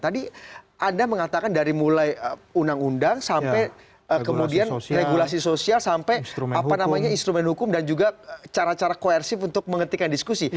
tadi anda mengatakan dari mulai undang undang sampai kemudian regulasi sosial sampai apa namanya instrumen hukum dan juga cara cara koersif untuk menghentikan diskusi